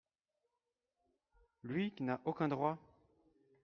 Lui qui n’a aucun droit !